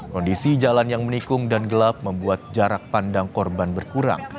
kondisi jalan yang menikung dan gelap membuat jarak pandang korban berkurang